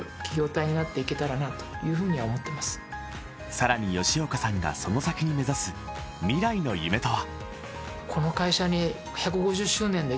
更に吉岡さんがその先に目指す未来の夢とは？